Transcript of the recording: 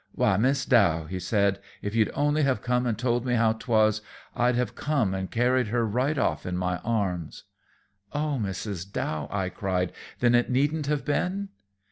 'Why, Mis' Dow,' he said, 'if you'd only have come and told me how 't was, I'd have come and carried her right off in my arms.'" "Oh, Mrs. Dow," I cried, "then it needn't have been?"